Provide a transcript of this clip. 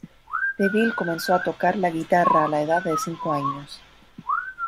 DeVille comenzó a tocar la guitarra a la edad de cinco años.